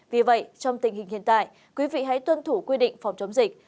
vì vậy trong tình hình hiện tại quý vị hãy tuân thủ quy định phòng chống dịch